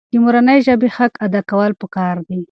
د مورنۍ ژبې حق ادا کول پکار دي.